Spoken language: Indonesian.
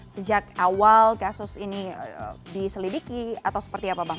sejak awal kasus ini diselidiki atau seperti apa bang